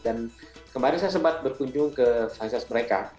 dan kemarin saya sempat berkunjung ke fansets mereka